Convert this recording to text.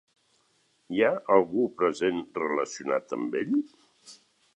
Hi ha algú present relacionat amb ell?